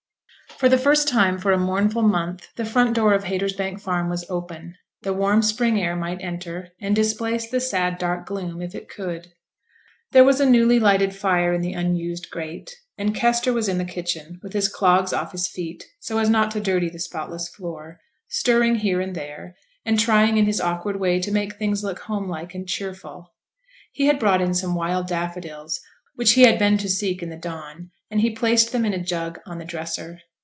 For the first time for a mournful month the front door of Haytersbank Farm was open; the warm spring air might enter, and displace the sad dark gloom, if it could. There was a newly lighted fire in the unused grate; and Kester was in the kitchen, with his clogs off his feet, so as not to dirty the spotless floor, stirring here and there, and trying in his awkward way to make things look home like and cheerful. He had brought in some wild daffodils which he had been to seek in the dawn, and he placed them in a jug on the dresser.